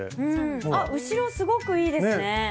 あ後ろすごくいいですね。